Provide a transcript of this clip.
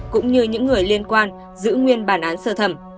cũng như những người liên quan giữ nguyên bản án sơ thẩm